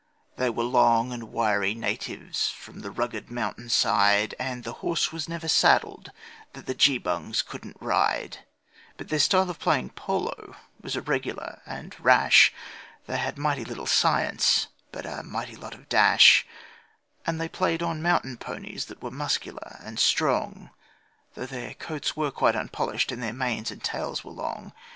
They were long and wiry natives from the rugged mountain side, And the horse was never saddled that the Geebungs couldn't ride; But their style of playing polo was irregular and rash They had mighty little science, but a mighty lot of dash: And they played on mountain ponies that were muscular and strong, Though their coats were quite unpolished, and their manes and tails were long.